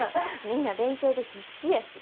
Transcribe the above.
みんな勉強で必死やし。